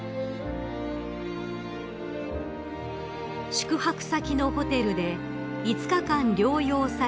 ［宿泊先のホテルで５日間療養された佳子さま］